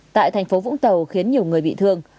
tại thành phố vũng tàu khiến nhiều người bị thương